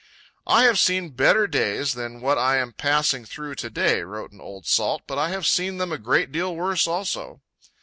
"I have seen better days than what I am passing through to day," wrote an old salt, "but I have seen them a great deal worse also."